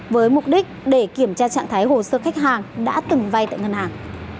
với mục đích để kiểm tra trạng thái hồ sơ khách hàng đã từng vay tại ngân hàng